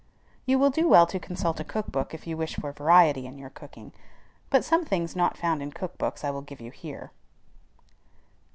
You will do well to consult a cook book if you wish for variety in your cooking; but some things not found in cook books I will give you here.